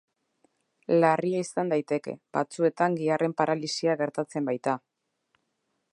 Larria izan daiteke, batzuetan giharren paralisia gertatzen baita.